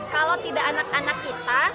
kalau tidak anak anak kita